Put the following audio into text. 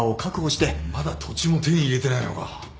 まだ土地も手に入れてないのか。